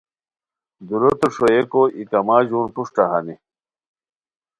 دُوروتے ݰوئیکو ای کما ژون پروشٹ ہانی